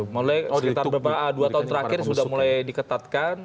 mulai sekitar dua tahun terakhir sudah mulai diketatkan